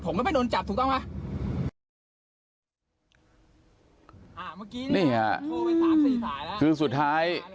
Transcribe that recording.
นี่ฮะคือสุดท้าย